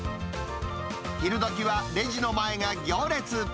昼どきは、レジの前が行列。